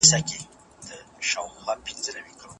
موږ د الله ﷻ بنده ګان یو